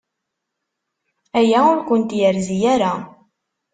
Aya ur kent-yerzi ara.